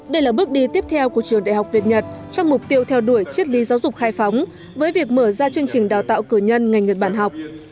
đây là bước đi tiếp theo của trường đại học việt nhật trong mục tiêu theo đuổi triết lý giáo dục khai phóng với việc mở ra chương trình đào tạo cử nhân ngành nhật bản học